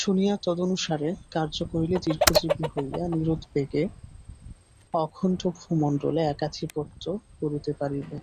শুনিয়া তদনুসারে কার্য করিলে দীর্ঘজীবী হইয়া নিরুদ্বেগে অখণ্ড ভূমণ্ডলে একাধিপত্য করিতে পারিবে।